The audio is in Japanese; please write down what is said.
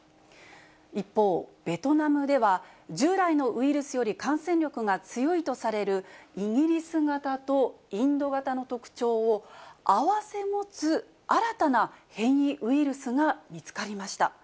一方、ベトナムでは、従来のウイルスより感染力が強いとされる、イギリス型とインド型の特徴を併せ持つ新たな変異ウイルスが見つかりました。